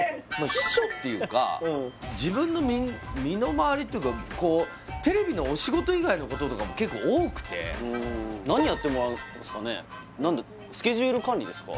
秘書っていうか自分の身の回りっていうかテレビのお仕事以外のこととかも結構多くてスケジュール管理ですか？